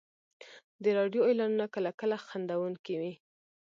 د راډیو اعلانونه کله کله خندونکي وي.